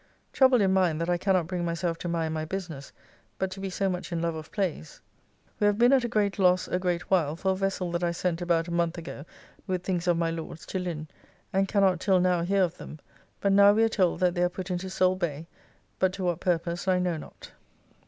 Troubled in mind that I cannot bring myself to mind my business, but to be so much in love of plays. We have been at a great loss a great while for a vessel that I sent about a month ago with, things of my Lord's to Lynn, and cannot till now hear of them, but now we are told that they are put into Soale Bay, but to what purpose I know not.